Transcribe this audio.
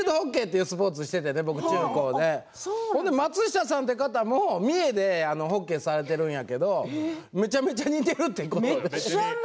松下さんも三重でホッケーをされてるんやけどめちゃめちゃ似ているということで。